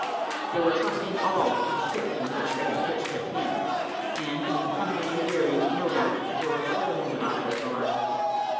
They were trusting all to the thicket in which they had pitched their camp; and, being hungry and wearied no doubt, were for the moment off their guard.